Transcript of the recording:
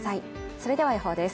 それでは予報です